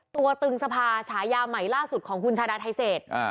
ตึงสภาฉายาใหม่ล่าสุดของคุณชาดาไทเศษ